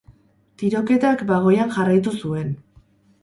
Tiroketak bagoian jarraitu zuen.